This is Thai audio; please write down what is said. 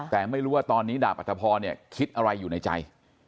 แต่ไม่รู้ว่าตอนนี้ดาบอัตภพรคิดอะไรอยู่ในใจ